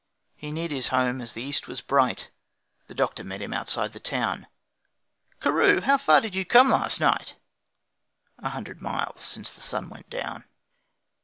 He neared his home as the east was bright, The doctor met him outside the town: 'Carew! How far did you come last night?' 'A hundred miles since the sun went down.'